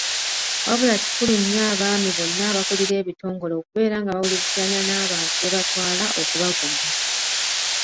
Wabula kikulu nnyo abaami bonna abakulira ebitongole okubeera nga bawuliziganya n'abantu be batwala okubagumya.